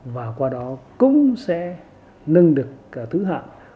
và qua đó cũng sẽ nâng được thứ hạng